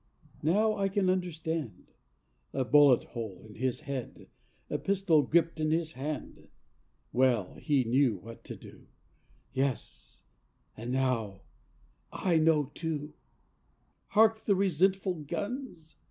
Now I can understand: A bullet hole in his head, A pistol gripped in his hand. Well, he knew what to do, Yes, and now I know too. ... Hark the resentful guns!